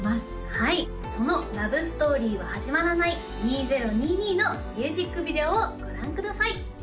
はいその「ラブストーリーは始まらない」のミュージックビデオをご覧ください